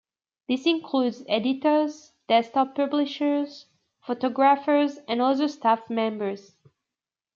This includes editors, desktop publishers, photographers, and other staff members.